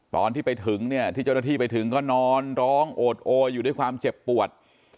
ตอนที่ไปถึงเนี่ยที่เจ้าหน้าที่ไปถึงก็นอนร้องโอดโออยู่ด้วยความเจ็บปวด